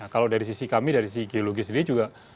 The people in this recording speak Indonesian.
kalau dari sisi kami dari sisi geologi sendiri juga